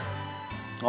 あ